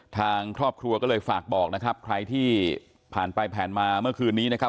ทางครอบครัวก็เลยฝากบอกนะครับใครที่ผ่านไปผ่านมาเมื่อคืนนี้นะครับ